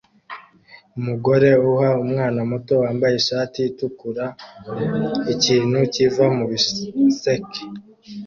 Umugore uha umwana muto wambaye ishati itukura ikintu kiva mubiseke